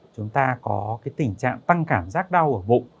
chúng ta có tình trạng tăng cảm giác đau ở bụng